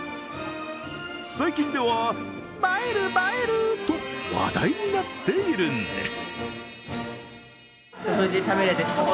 最近では、映える、映えると話題になっているんです。